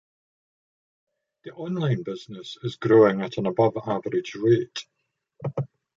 "The online business is growing at an above-average rate".